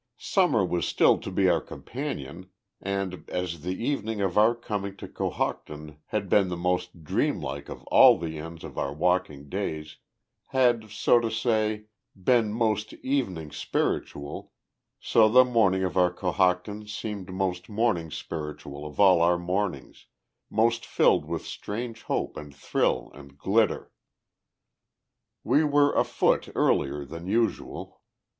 Summer was still to be our companion, and, as the evening of our coming to Cohocton had been the most dreamlike of all the ends of our walking days had, so to say, been most evening spiritual, so the morning of our Cohocton seemed most morning spiritual of all our mornings, most filled with strange hope and thrill and glitter. We were afoot earlier than usual.